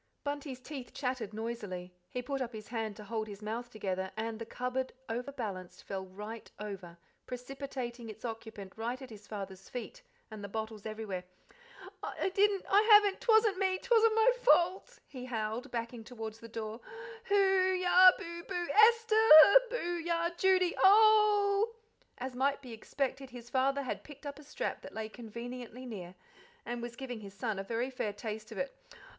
Bunty's teeth chattered noisily; he put up his hand to hold his mouth together, and the cupboard, overbalanced, fell right over, precipitating its occupant right at his father's feet, and the bottles everywhere. "I didn't I haven't 'twasn't me 'twasn't my fault!" he howled, backing towards the door. "Hoo yah boo hoo ooo! Esther boo yah Judy oh oh h! oh oh h h h h!" As might be expected, his father had picked up a strap that lay conveniently near, and was giving his son a very fair taste of it.